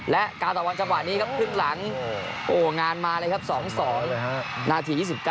และการต่อผ่านจังหวะนี้ครับขึ้นหลังโกขงานมาเลยครับ๒๒นาที๒๙นาที